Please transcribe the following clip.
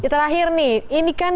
terakhir nih ini kan